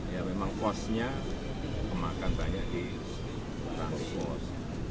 ya memang kosnya kemakan banyak di transport